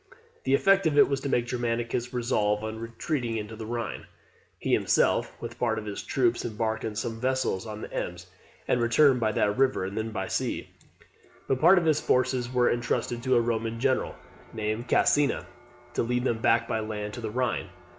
The effect of it was to make Germanicus resolve on retreating to the Rhine. He himself, with part of his troops, embarked in some vessels on the Ems, and returned by that river, and then by sea; but part of his forces were entrusted to a Roman general, named Caecina, to lead them back by land to the Rhine.